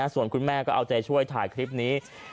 ส่วนคุณแม่ก็เอาใจช่วยถ่ายคลิปนี้